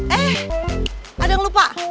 eh ada yang lupa